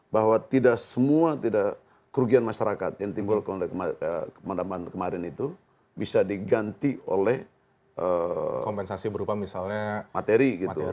bahwa tidak semua kerugian masyarakat yang timbul oleh pemadaman kemarin itu bisa diganti oleh materi